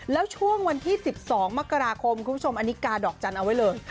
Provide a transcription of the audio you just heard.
แล้วช่วงวันที่๑๒มกราคมคุณผู้ชมอันนี้กาดอกจันทร์เอาไว้เลย